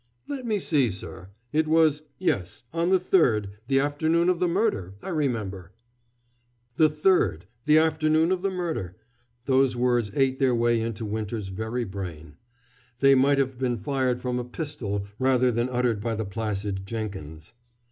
"Let me see, sir. It was yes on the third, the afternoon of the murder, I remember." The third the afternoon of the murder. Those words ate their way into Winter's very brain. They might have been fired from a pistol rather than uttered by the placid Jenkins.